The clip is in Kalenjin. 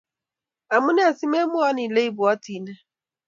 Amune simemwowo Ile ibwatine